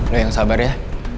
lo yang sabar ya